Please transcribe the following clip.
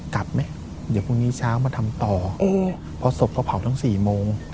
กลับไหมเดี๋ยวพรุ่งนี้เช้ามาทำต่อเพราะศพเขาเผาทั้ง๔โมง